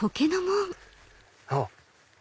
あっ